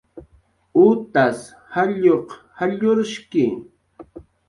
Utas jalluq jallurshki